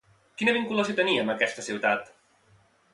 Quina vinculació tenia amb aquesta ciutat?